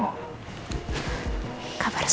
kabar saya baik tante